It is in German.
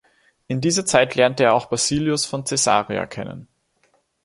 In dieser Zeit lernte er auch Basilius von Caesarea kennen.